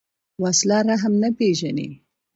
وسله رحم نه پېژني